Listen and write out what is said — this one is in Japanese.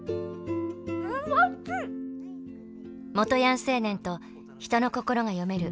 元ヤン青年と人の心が読める